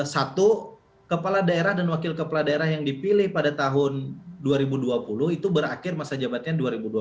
satu kepala daerah dan wakil kepala daerah yang dipilih pada tahun dua ribu dua puluh itu berakhir masa jabatannya dua ribu dua puluh empat